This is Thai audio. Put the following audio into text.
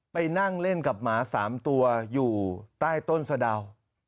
ไปนั่งเล่นกับหมา๓ตัวอยู่ใต้ต้นสะดาว